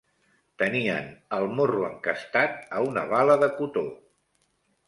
Tenien el morro encastat a una bala de cotó